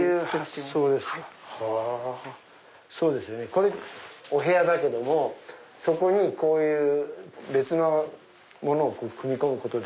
これお部屋だけどもこういう別のものを組み込むことで。